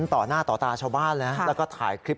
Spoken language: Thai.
ต่อหน้าต่อตาชาวบ้านเลยแล้วก็ถ่ายคลิป